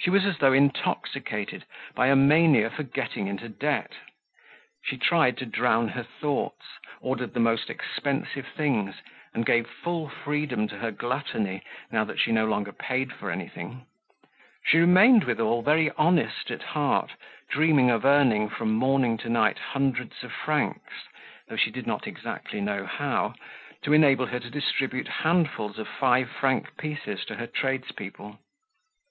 She was as though intoxicated by a mania for getting into debt; she tried to drown her thoughts, ordered the most expensive things, and gave full freedom to her gluttony now that she no longer paid for anything; she remained withal very honest at heart, dreaming of earning from morning to night hundreds of francs, though she did not exactly know how, to enable her to distribute handfuls of five franc pieces to her tradespeople.